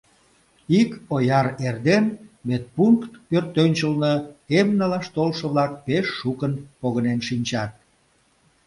Ик ояр эрден медпункт пӧртӧнчылнӧ эм налаш толшо-влак пеш шукын погынен шинчат.